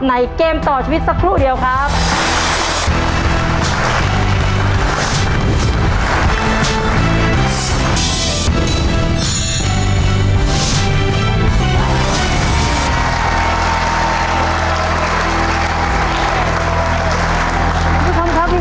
เกมต่อชีวิตสักครู่เดียวครับ